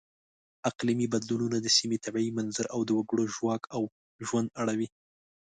اقلیمي بدلونونه د سیمې طبیعي منظر او د وګړو ژواک او ژوند اړوي.